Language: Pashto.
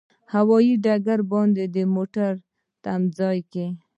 هوایي ډګر د باندې موټرو تمځای کې.